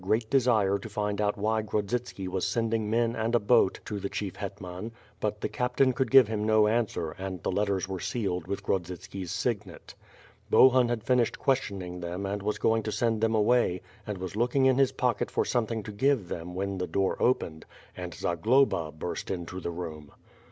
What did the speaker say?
reat desire to find out why Grodzitski was send ing men and a boat to the Chief Hetman, but the captain could give him no answer and the letters were sealed with Grodzitski's signet. Bohun had finished questioning them and was going to send them away, and was looking in his pocket for somethng to give them when the door opened, and Zagloba burst into the room.